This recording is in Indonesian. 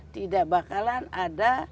tidak bakalan ada